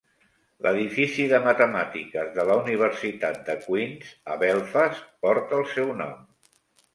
L'edifici de Matemàtiques de la universitat de Queens, a Belfast, porta el seu nom.